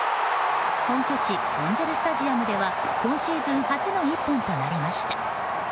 本拠地エンゼル・スタジアムでは今シーズン初の一本となりました。